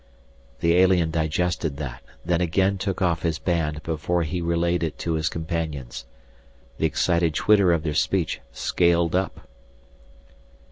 The alien digested that, then again took off his band before he relayed it to his companions. The excited twitter of their speech scaled up.